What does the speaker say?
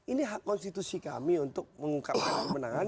ini hak konstitusi kami untuk mengungkapkan kemenangan